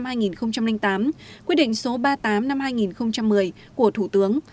quy định số một trăm bốn mươi hai năm hai nghìn tám quy định số ba mươi tám năm hai nghìn một mươi của thủ tướng